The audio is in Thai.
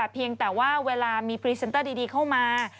เพียงแต่ว่าเวลามีพรีเซนเตอร์ดีเข้ามา